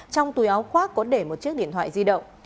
trong túi áo khoác có để một chiếc điện thoại di động